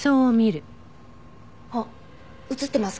あっ映ってます